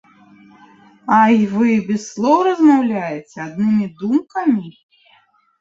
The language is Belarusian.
А й вы без слоў размаўляеце, аднымі думкамі?